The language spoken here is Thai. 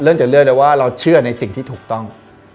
เริ่มจากเรื่องเดียวว่าเราเชื่อในสิ่งที่ถูกต้อง